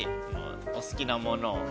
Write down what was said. お好きなものを。